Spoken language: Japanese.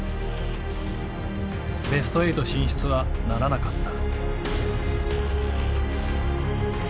ベスト８進出はならなかった。